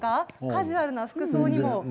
カジュアルな服装にも。